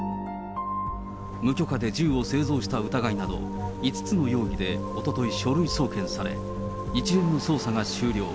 無許可で銃を製造した疑いなど、５つの容疑でおととい、書類送検され、一連の捜査が終了。